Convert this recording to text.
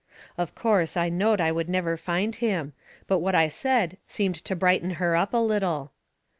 Of course, I knowed I would never find him. But what I said seemed to brighten her up a little.